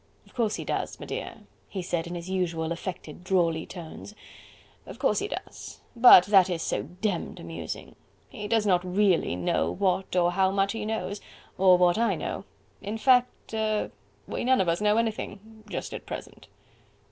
"Of course he does, m'dear," he said in his usual affected, drawly tones, "of course he does, but that is so demmed amusing. He does not really know what or how much he knows, or what I know.... In fact... er... we none of us know anything... just at present...."